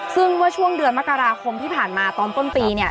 ซึ่งเมื่อช่วงเดือนมกราคมที่ผ่านมาตอนต้นปีเนี่ย